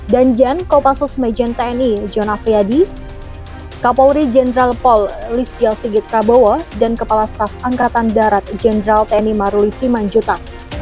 danjen kopassus mejen tni jona friyadi kapolri jenderal paul listio sigit prabowo dan kepala staf angkatan darat jenderal tni maruli simanjuta